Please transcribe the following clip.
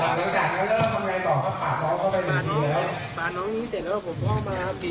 ค่ะและตัดความรับใจของนาย